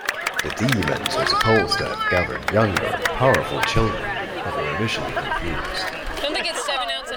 The demons were supposed to have gathered younger, powerful children but were initially confused.